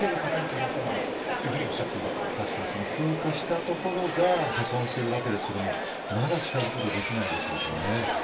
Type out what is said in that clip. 確かに、噴火したところが破損しているわけですけれどもまだ近づくことはできないでしょうしね。